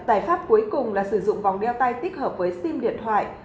giải pháp cuối cùng là sử dụng vòng đeo tay tích hợp với sim điện thoại